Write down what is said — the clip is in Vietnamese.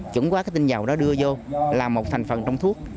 chuẩn quát cái tinh dầu đó đưa vô làm một thành phần trong thuốc